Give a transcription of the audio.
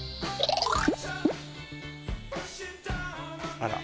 あら？